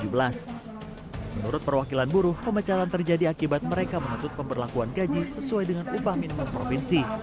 menurut perwakilan buruh pemecatan terjadi akibat mereka menuntut pemberlakuan gaji sesuai dengan upah minimum provinsi